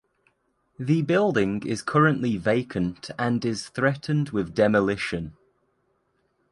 The building is currently vacant and is threatened with demolition.